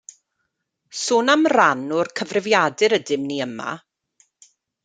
Sôn am ran o'r cyfrifiadur ydym ni yma.